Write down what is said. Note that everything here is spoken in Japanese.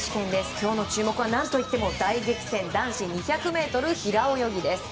今日の注目は何といっても大激戦の男子２００ｍ平泳ぎです。